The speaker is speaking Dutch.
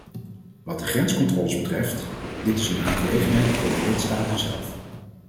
Wat de grenscontroles betreft: dit is een aangelegenheid voor de lidstaten zelf.